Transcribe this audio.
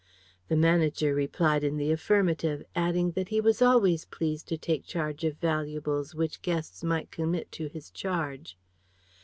The manager replied in the affirmative, adding that he was always pleased to take charge of valuables which guests might commit to his charge.